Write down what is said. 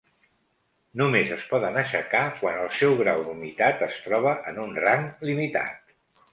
Només es poden aixecar quan el seu grau d'humitat es troba en un rang limitat.